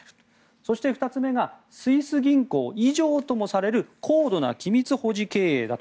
そして２つ目がスイス銀行以上ともされる高度な機密保持経営だと。